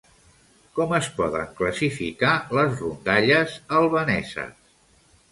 Com es poden classificar les rondalles albaneses?